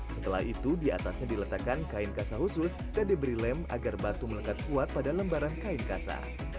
setelah itu diatasnya diletakkan kain kasa khusus dan diberi lem agar batu melengkap kuat pada lembaran kain kasa